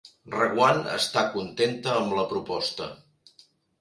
Reguant està contenta amb la proposta